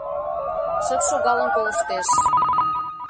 Шып шогалын колыштеш.